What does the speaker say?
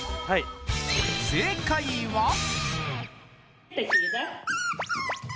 はい正解は？